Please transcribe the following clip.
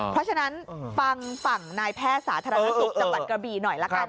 เพราะฉะนั้นฟังฝั่งนายแพทย์สาธารณสุขจังหวัดกระบีหน่อยละกัน